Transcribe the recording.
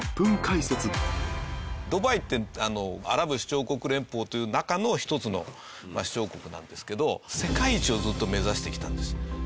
ドバイってアラブ首長国連邦という中の一つの首長国なんですけど世界一をずっと目指してきたんです。